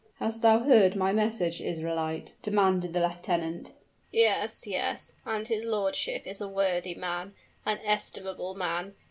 "Hast thou heard my message, Israelite?" demanded the lieutenant. "Yes, yes; and his lordship is a worthy man an estimable man.